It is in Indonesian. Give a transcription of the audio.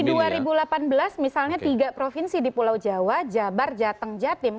di dua ribu delapan belas misalnya tiga provinsi di pulau jawa jabar jateng jatim